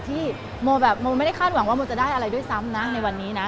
โมแบบโมไม่ได้คาดหวังว่าโมจะได้อะไรด้วยซ้ำนะในวันนี้นะ